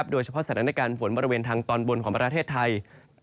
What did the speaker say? โดยเฉพาะสถานการณ์ฝนบริเวณทางตอนบนของประเทศไทย